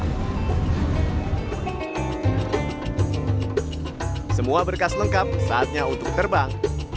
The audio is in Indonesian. semua berkas lengkap saatnya untuk terbang